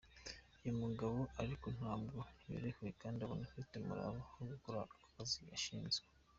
Uyu mugabo ariko ntabwo yorohewe kandi ubona afite umurava wo gukora ako kazi yashinzwe.